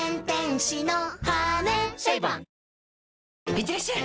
いってらっしゃい！